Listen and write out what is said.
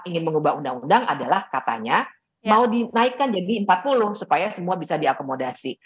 ingin mengubah undang undang adalah katanya mau dinaikkan jadi empat puluh supaya semua bisa diakomodasi